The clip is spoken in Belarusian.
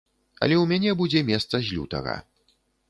Але ў мяне будзе месца з лютага.